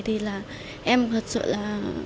thì là em thật sự là